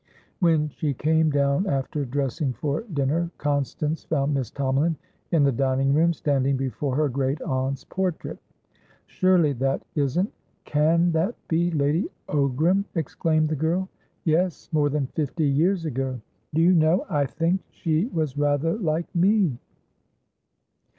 When she came down after dressing for dinner, Constance found Miss Tomalin in the dining room, standing before her great aunt's portrait. "Surely that isn'tcan that be Lady Ogram?" exclaimed the girl. "Yes; more than fifty years ago." "Do you know, I think she was rather like me!"